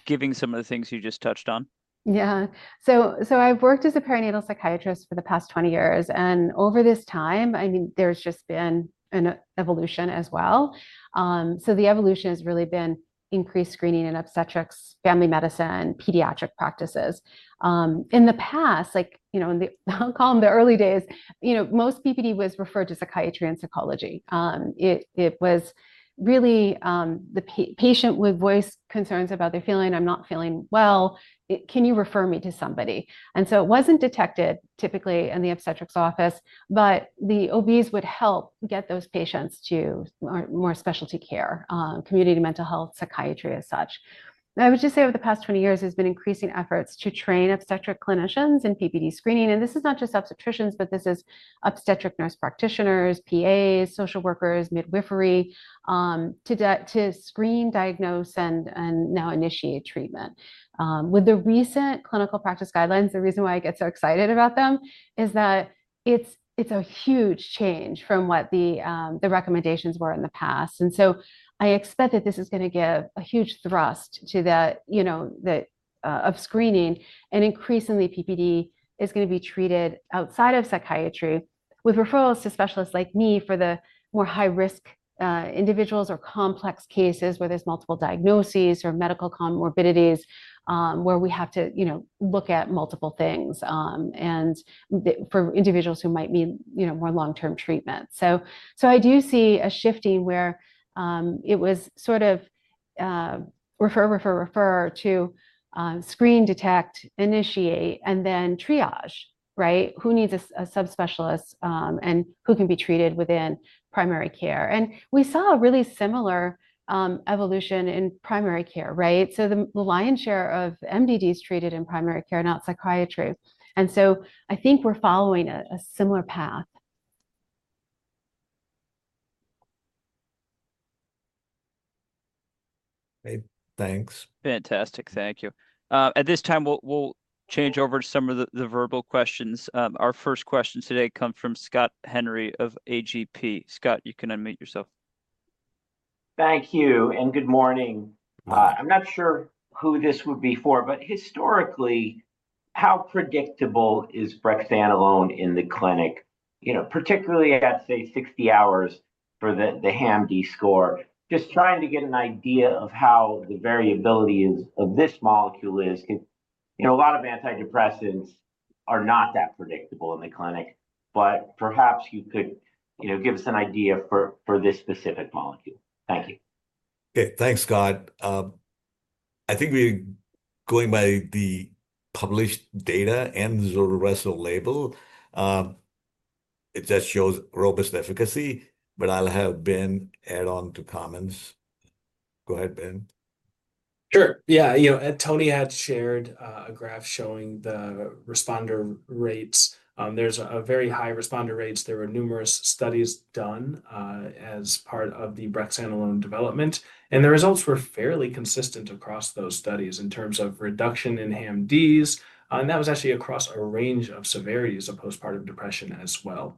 given some of the things you just touched on? Yeah. I've worked as a perinatal psychiatrist for the past 20 years and over this time, there's just been an evolution as well. The evolution has really been increased screening in obstetrics, family medicine, pediatric practices. In the past, like, you know, in the early days, most PPD was referred to psychiatry and psychology. It was really the patient would voice concerns about their feeling. I'm not feeling well, can you refer me to somebody? It wasn't detected typically in the obstetrics office, but the OBs would help get those patients to more specialty care, community mental health, psychiatry as such. I would just say over the past 20 years, there's been increasing efforts to train obstetric clinicians in PPD screening. This is not just obstetricians, but this is obstetric nurse practitioners, PAs, social workers, midwifery to screen, diagnose and now initiate treatment. With the recent clinical practice guidelines, the reason why I get so excited about them is that it's a huge change from what the recommendations were in the past. I expect that this is going to give a huge thrust to that of screening. Increasingly, PPD is going to be treated outside of psychiatry with referrals to specialists like me for the more high risk individuals or complex cases where there's multiple diagnoses or medical comorbidities where we have to look at multiple things and for individuals who might need more long term treatment. I do see a shifting where it was sort of refer, refer, refer to screen, detect, initiate and then triage. Right. Who needs a subspecialist and who can be treated within primary care. We saw a really similar evolution in primary care. The lion's share of major depressive disorders is treated in primary care, not psychiatry. I think we're following a similar path. Thanks. Fantastic. Thank you. At this time, we'll change over to some of the verbal questions. Our first question today comes from Scott Henry of AGP. Scott, you can unmute yourself. Thank you and good morning. I'm not sure who this would be for, but historically how predictable is brexanolone in the clinic, particularly at, say, 60 hours for the HAM-D score? Just trying to get an idea of how the variability of this molecule is. A lot of antidepressants are not that predictable in the clinic. Perhaps you could give us an idea for this specific molecule. Thank you. Thanks, Scott. I think we, going by the published data and zuranolone label, it just shows robust efficacy. I'll have Ben add on to comments. Go ahead, Ben. Sure. Yeah. You know, Tony had shared a graph showing the responder rates. There's a very high responder rates. There were numerous studies done as part of the brexanolone development, and the results were fairly consistent across those studies in terms of reduction in HAM-D. That was actually across a range of severities of postpartum depression as well.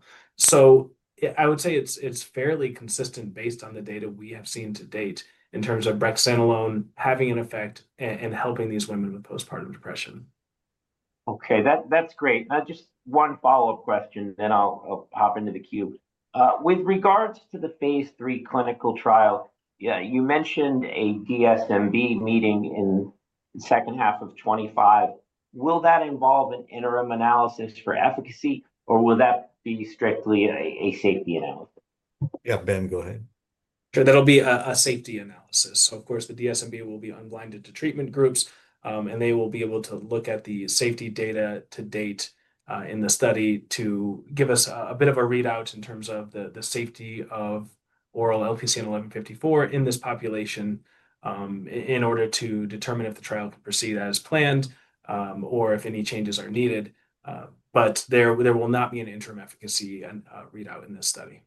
I would say it's fairly consistent based on the data we have seen to date in terms of brexanolone having an effect and helping these women with postpartum depression. Okay, that's great. I just have one follow-up question, then I'll hop into the queue. With regards to the phase III clinical trial, you mentioned a DSMB meeting in the second half of 2025. Will that involve an interim analysis for efficacy, or will that be strictly a safety analysis? Yeah, Ben, go ahead. Okay. That'll be a safety analysis. Of course, the DSMB will be unblinded to treatment groups, and they will be able to look at the safety data to date in the study to give us a bit of a readout in terms of the safety of oral LPCN 1154 in this population in order to determine if the trial can proceed as planned or if any changes are needed. There will not be an interim efficacy readout in this study.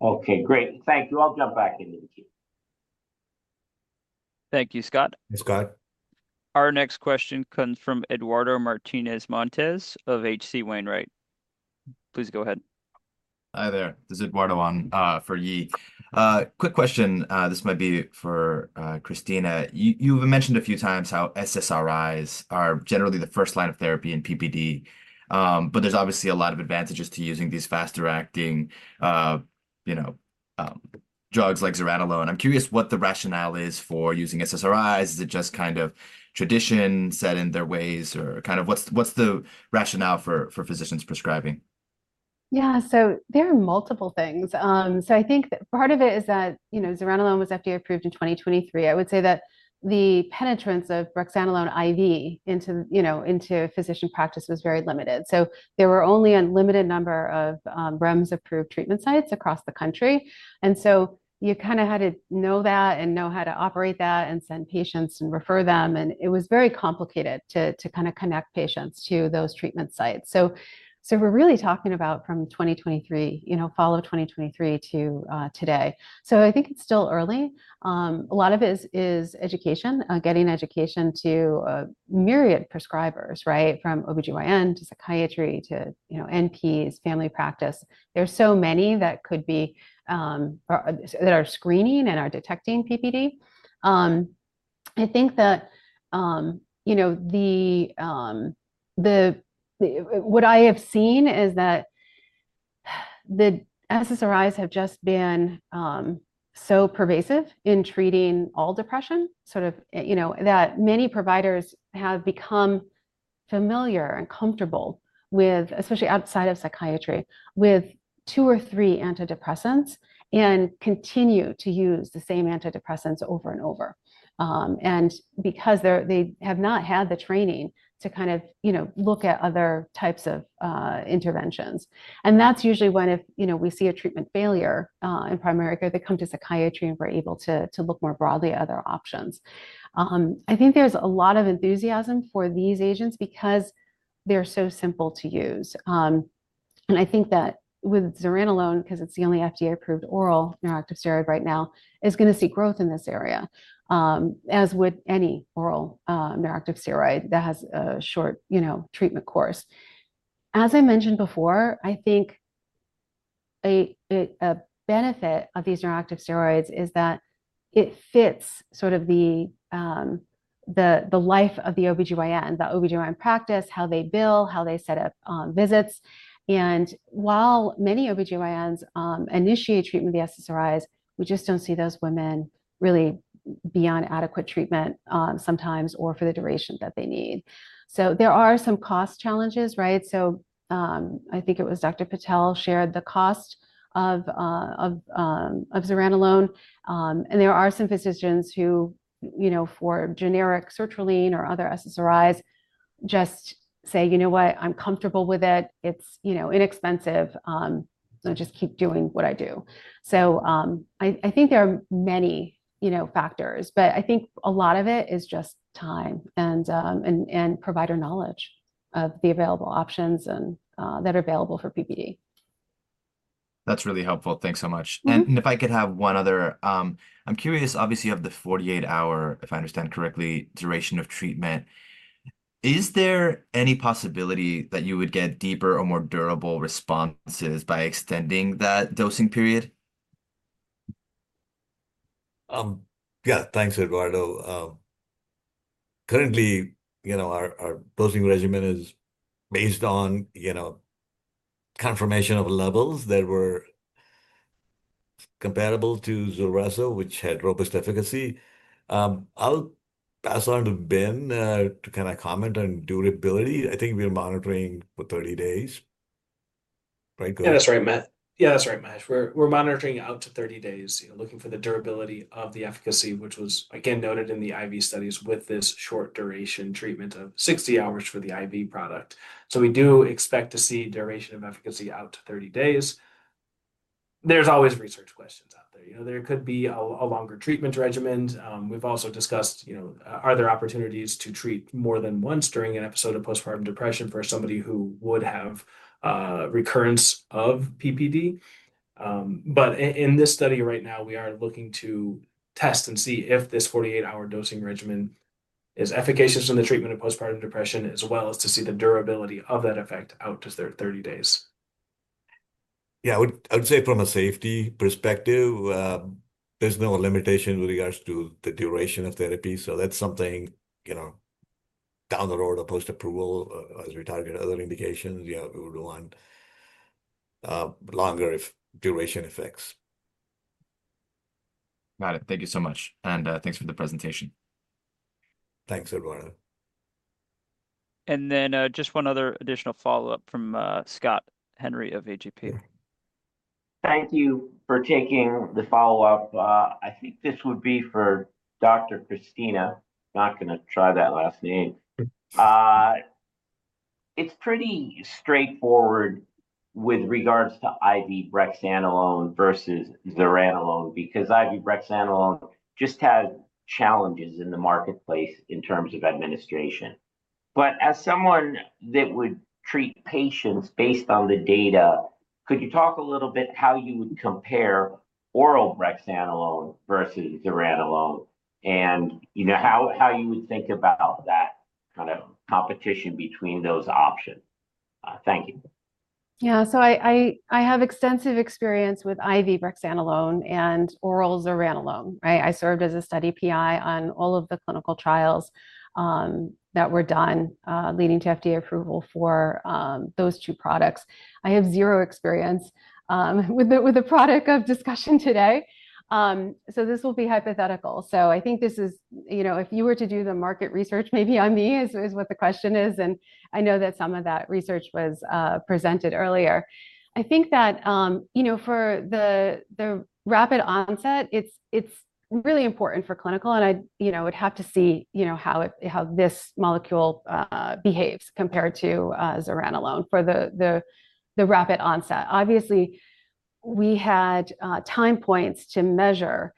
Okay, great. Thank you. I'll jump back in. Thank you. Thank you, Scott. Our next question comes from Eduardo Martinez-Montes of H.C. Wainwright, please go ahead. Hi there. This is Eduardo on for Yi. Quick question. This might be for Kristina. You've mentioned a few times how SSRIs are generally the first line of therapy in PPD. There's obviously a lot of advantages to using these faster acting, you know, drugs like zuranolone. I'm curious what the rationale is for using SSRIs. Is it just kind of tradition set in their ways or what's the rationale for physicians prescribing? Yeah, so there are multiple things. I think that part of it is that, you know, zuranolone was FDA approved in 2023. I would say that the penetrance of brexanolone IV into, you know, into physician practice was very limited. There were only a limited number of REMS approved treatment sites across the country. You kind of had to know that and know how to operate that and send patients and refer them. It was very complicated to connect patients to those treatment sites. We're really talking about from 2023, you know, fall 2023 to today. I think it's still early. A lot of it is education, getting education to a myriad of prescribers, right, from OB/GYN to psychiatry to NPs, family practice. There are so many that could be, that are screening and are detecting PPD. I think that, you know, what I have seen is that the SSRIs have just been so pervasive in treating all depression, sort of, you know, that many providers have become familiar and comfortable with, especially outside of psychiatry, with two or three antidepressants and continue to use the same antidepressants over and over. Because they have not had the training to, you know, look at other types of interventions. That's usually when, if, you know, we see a treatment failure in primary care, they come to psychiatry and we're able to look more broadly at other options. I think there's a lot of enthusiasm for these agents because they're so simple to use. I think that with zuranolone, because it's the only FDA approved oral neuroactive steroid right now, it is going to see growth in this area, as with any oral neuroactive steroid that has a short, you know, treatment course. As I mentioned before, I think a benefit of these neuroactive steroids is that it fits sort of the life of the OB/GYN, the OB/GYN practice, how they bill, how they set up visits. While many OB/GYNs initiate treatment, the SSRIs, we just don't see those women really be on adequate treatment sometimes or for the duration that they need. There are some cost challenges. I think it was Dr. Patel shared the cost of zuranolone and there are some physicians who are, you know, for generic sertraline or other SSRIs, just say, you know what, I'm comfortable with it, it's inexpensive, just keep doing what I do. I think there are many factors, but I think a lot of it is just time and provider knowledge of the available options that are available for PPD. That's really helpful. Thanks so much. If I could have one other, I'm curious, obviously you have the 48-hour, if I understand correctly, duration of treatment. Is there any possibility that you would get deeper or more durable responses by extending that dosing period? Yeah, thanks, Eduardo. Currently, our dosing regimen is based on confirmation of levels that were comparable to zuranolone, which had robust efficacy. I'll pass on to Ben to comment on durability. I think we are monitoring for 30 days, right? Yeah, that's right, Matt. We're monitoring up to 30 days looking for the durability of the efficacy, which was again noted in the IV studies with this short duration treatment of 60 hours for the IV product. We do expect to see duration of efficacy out to 30 days. There are always research questions out there. There could be a longer treatment regimen. We've also discussed, you know, are there opportunities to treat more than once during an episode of postpartum depression for somebody who would have recurrence of PPD. In this study right now we are looking to test and see if this 48 hour dosing regimen is efficacious in the treatment of postpartum depression, as well as to see the durability of that effect out to 30 days. I would say from a safety perspective, there's no limitation with regards to the duration of therapy. That's something, you know, down the road or post approval as we target other indications, we would want longer duration effects. Got it. Thank you so much, and thanks for the presentation. Thanks, Eduardo. Just one other additional follow up from Scott Henry of AGP. Thank you for taking the follow up. I think this would be for Dr. Kristina Deligiannidis, not going to try that last name. It's pretty straightforward with regards to IV brexanolone versus zuranolone because IV brexanolone just had challenges in the marketplace in terms of administration. As someone that would treat patients based on the data, could you talk a little bit how you would compare oral brexanolone versus zuranolone and you know, how you would think about that kind of competition between those options. Thank you. Yeah. I have extensive experience with IV brexanolone and oral zuranolone. I served as a study PI on all of the clinical trials that were done leading to FDA approval for those two products. I have zero experience with the product of discussion today. This will be hypothetical. I think this is, you know, if you were to do the market research maybe on me is what the question is. I know that some of that research was presented earlier. I think that, you know, for the rapid onset, it's really important for clinical. I would have to see how it, how this molecule behaves compared to zuranolone for the rapid onset. Obviously, we had time points to measure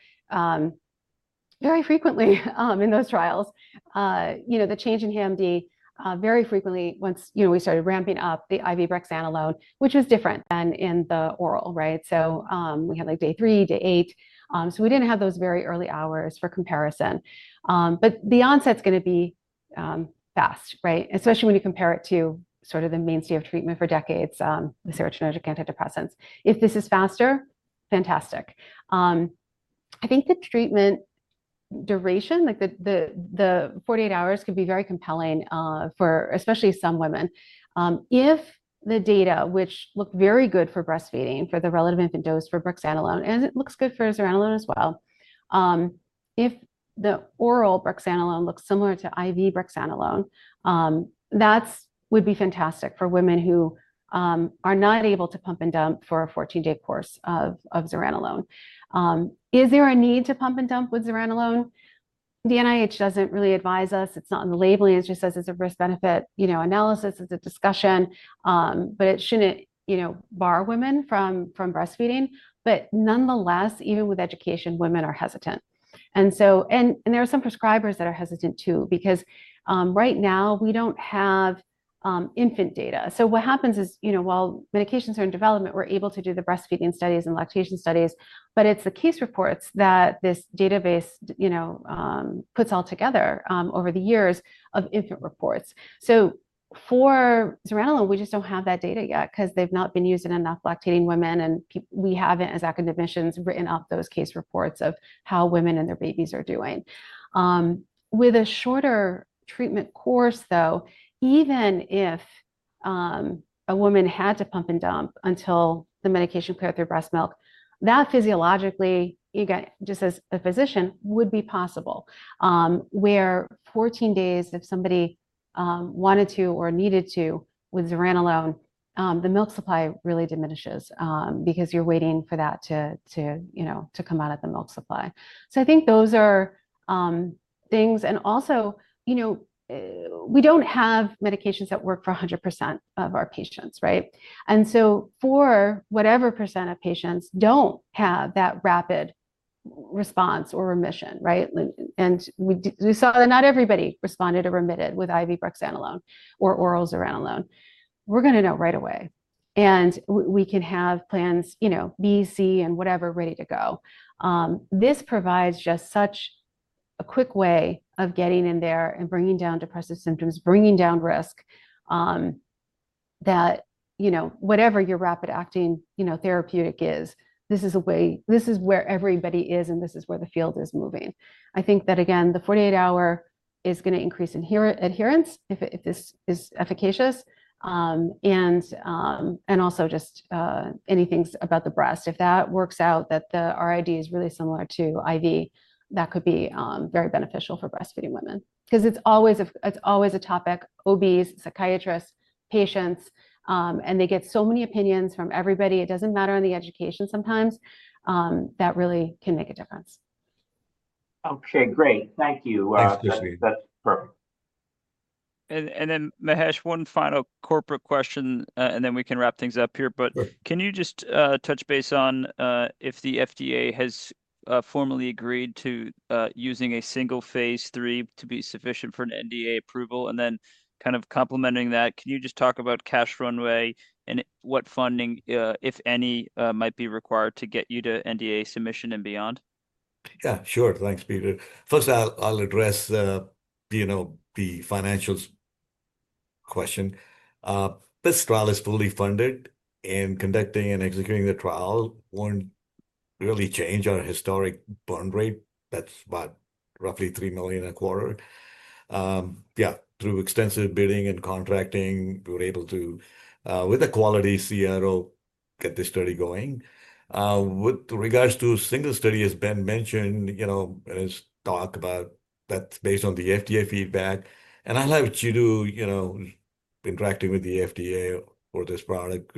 very frequently in those trials, the change in HAM-D very frequently once we started ramping up the IV brexanolone, which was different than in the oral. Right. We had like day three, day eight. We didn't have those very early hours for comparison. The onset's going to be fast, right, especially when you compare it to sort of the mainstay of treatment for decades, the serotonergic antidepressants. If this is faster, fantastic. I think the treatment duration, like the 48 hours, can be very compelling for especially some women. If the data, which look very good for breastfeeding for the relative infant dose for brexanolone, and it looks good for zuranolone as well. If the oral brexanolone looks similar to IV brexanolone, that would be fantastic for women who are not able to pump and dump for a 14-day course of zuranolone. Is there a need to pump and dump with zuranolone? The NIH doesn't really advise us. It's not in the labeling. It just says it's a risk benefit analysis. It's a discussion. It shouldn't bar women from breastfeeding. Nonetheless, even with education, women are hesitant. There are some prescribers that are hesitant too, because right now we don't have infant data. What happens is, while medications are in development, we're able to do the breastfeeding studies and lactation studies. It's the case reports that this database puts all together over the years of infant reports. For zuranolone, we just don't have that data yet because they've not been used in enough lactating women. We haven't, as academicians, written up those case reports of how women and their babies are doing with a shorter treatment course, though, even if a woman had to pump and dump until the medication cleared through breast milk, that physiologically you got just as a physician would be possible where 14 days, if somebody wanted to or needed to. With zuranolone, the milk supply really diminishes because you're waiting for that to, you know, to come out at the milk supply. I think those are things. Also, we don't have medications that work for 100% of our patients. Right. For whatever percent of patients don't have that rapid response or remission. Right. We saw that not everybody responded or remitted with IV brexanolone or oral zuranolone. We're going to know right away, and we can have plans, you know, B, C, and whatever, ready to go. This provides just such a quick way of getting in there and bringing down depressive symptoms, bringing down risk that, you know, whatever your rapid acting therapeutic is, this is a way, this is where everybody is, and this is where the field is moving. I think that again, the 48 hour is going to increase adherence if this is efficacious. Also, just anything about the breast, if that works out, that the RID is really similar to IV, that could be very beneficial for breastfeeding women because it's always a topic, OBs, psychiatrists, patients, and they get so many opinions from everybody. It doesn't matter on the education. Sometimes that really can make a difference. Okay, great. Thank you. That's perfect. Mahesh, one final corporate question. We can wrap things up here, but can you just touch base on if the FDA has formally agreed to using a single phase III to be sufficient for an NDA approval? Kind of complementing that, can you just talk about cash runway, and what funding, if any, might be required to get you to NDA submission and beyond? Yeah, sure. Thanks, Peter. First, I'll address the financials question. This trial is fully funded, and conducting and executing the trial won't really change our historic burn rate. That's about roughly $3 million a quarter. Through extensive bidding and contracting, we were able to, with a quality CRO, get this study going. With regards to single study, as Ben mentioned, that's based on the FDA feedback, and I'll have Chidu, you know, interacting with the FDA for this product,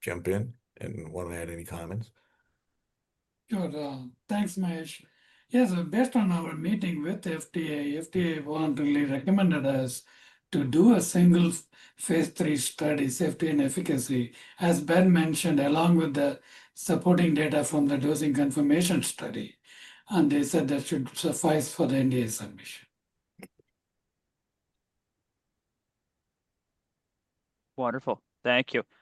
jump in and want to add any comments. Thanks, Mahesh. Yes, based on our meeting with the FDA, FDA voluntarily recommended us to do a single phase III study, safety and efficacy as Ben mentioned, along with the supporting data from the dosing confirmation study, and they said that should suffice for the NDA submission. Wonderful. Thank you,